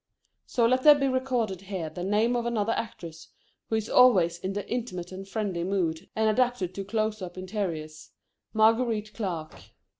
So let there be recorded here the name of another actress who is always in the intimate and friendly mood and adapted to close up interiors, Marguerite Clark.